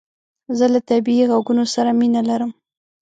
زه له طبیعي عږونو سره مینه لرم